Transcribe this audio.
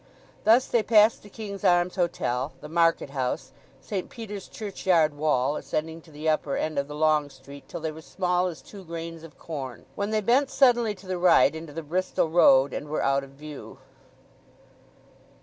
Thus they passed the King's Arms Hotel, the Market House, St. Peter's churchyard wall, ascending to the upper end of the long street till they were small as two grains of corn; when they bent suddenly to the right into the Bristol Road, and were out of view.